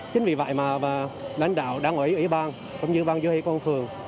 chính vì vậy mà lãnh đạo đảng ủy ủy ban cũng như ban giới hệ quân phường